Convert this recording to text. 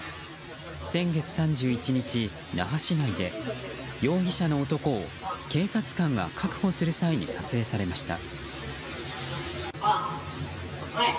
先月３１日、那覇市内で容疑者の男を警察官が確保する際に撮影されました。